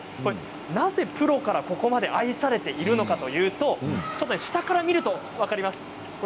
なぜ黒からここまで愛されているのかというと下から見ると分かります。